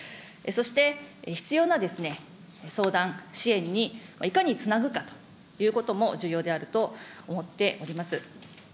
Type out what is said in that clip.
そして必要な相談、支援にいかにつなぐかということも重要であると思っております。